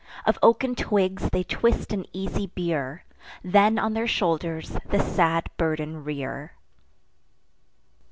Of oaken twigs they twist an easy bier, Then on their shoulders the sad burden rear.